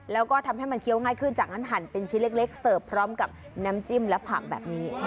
แล้วก็ทำให้มันเคี้ยวง่ายขึ้นจากนั้นหั่นเป็นชิ้นเล็กเสิร์ฟพร้อมกับน้ำจิ้มและผักแบบนี้